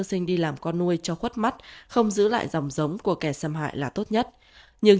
sinh đi làm con nuôi cho khuất mắt không giữ lại dòng giống của kẻ xâm hại là tốt nhất nhưng